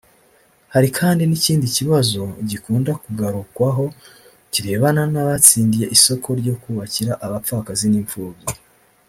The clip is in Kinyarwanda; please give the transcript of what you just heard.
Hari kandi n’ikindi kibazo gikunda kugarukwaho kirebana n’abatsindiye isoko ryo kubakira abapfakazi n’imfubyi